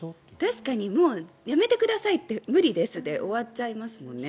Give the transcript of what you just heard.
確かにやめてくださいって無理ですで終わっちゃいますもんね。